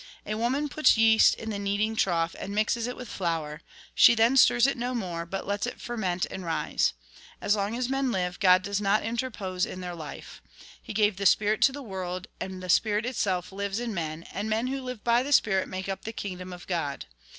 A woman puts yeast in the kneading trough and mixes it with the fiour ; she then stirs it no more, but lets it ferment and rise. As long as men live, 46 THE GOSPEL IN BRIEF G od does not interpose in their life. He gave the spirit to the world, and the spu'it itself lives in men, and men who live by the spirit make up the kingdom of God.